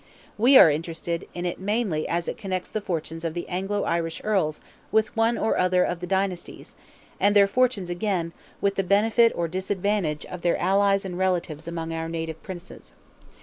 We are interested in it mainly as it connects the fortunes of the Anglo Irish Earls with one or other of the dynasties; and their fortunes again, with the benefit or disadvantage of their allies and relatives among our native Princes.